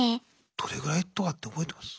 どれぐらいとかって覚えてます？